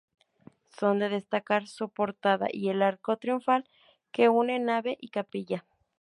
Son de destacar su portada y el arco triunfal que une nave y capilla.